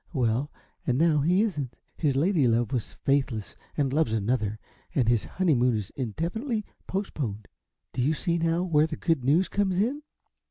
"Well, and now he isn't. His ladylove was faithless and loves another, and his honeymoon is indefinitely postponed. Do you see now where the good news comes in?"